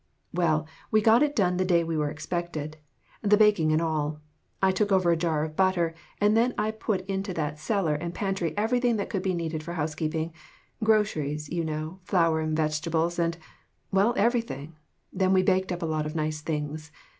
Well, we got it done the day they were expected the baking and all. I took over a jar of butter, and then I put into that cellar and pantry everything that could be needed for house keeping groceries, you know, and flour and veg etables, and well, everything. Then we baked up a lot of nice things.